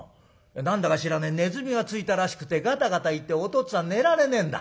何だか知らねえねずみがついたらしくてがたがた言っておとっつぁん寝られねえんだ。